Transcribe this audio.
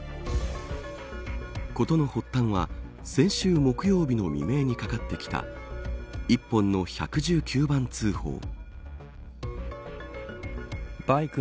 事の発端は、先週木曜日の未明にかかってきた一本の１１９番通報。